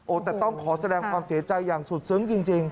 แต่ต้องขอแสดงความเสียใจอย่างสุดซึ้งจริง